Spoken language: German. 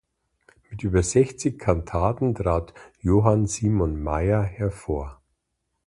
Mit über sechzig Kantaten trat Johann Simon Mayr hervor.